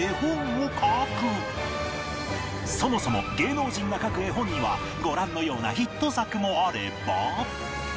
そもそも芸能人が描く絵本にはご覧のようなヒット作もあれば